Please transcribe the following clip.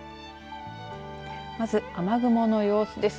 まず雨雲の様子です。